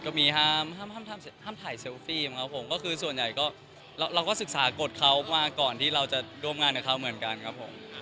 ก็มีห้ามถ่ายเซลฟี่ครับผมก็คือส่วนใหญ่ก็เราก็ศึกษากฎเขามาก่อนที่เราจะร่วมงานกับเขาเหมือนกันครับผม